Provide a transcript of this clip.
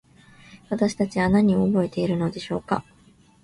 私たちは何を覚えているのでしょうか。